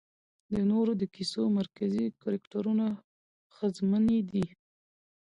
د نورو د کيسو مرکزي کرکټرونه ښځمنې دي